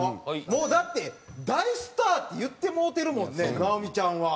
もうだって「大スター」って言ってもうてるもんね直美ちゃんは。